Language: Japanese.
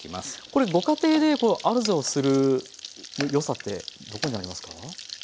これご家庭でアロゼをするよさってどこにありますか？